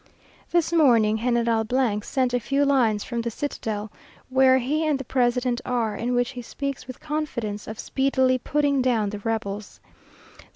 This morning General sent a few lines from the citadel, where he and the president are, in which he speaks with confidence of speedily putting down the rebels.